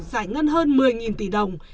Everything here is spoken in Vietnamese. giải ngân hơn một mươi tỷ đồng